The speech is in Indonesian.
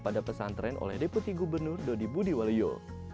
pada pesantren oleh deputi gubernur dodi budiwalio